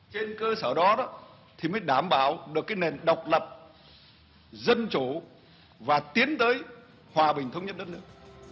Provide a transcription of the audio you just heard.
trên cơ sở đó thì mới đảm bảo được nền độc lập dân chủ và tiến tới hòa bình thống nhất đất nước